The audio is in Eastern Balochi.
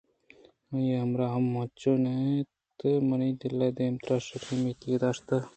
آئی ءِہمراہ ہم انچو نہ اَت اَنت منی دل ءَ دیمترا شرّیں اُمیتے داشت